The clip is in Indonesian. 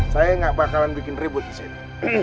saya gak bakalan bikin ribut disini